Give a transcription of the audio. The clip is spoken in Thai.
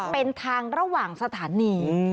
เป็นทางระหว่างสถานี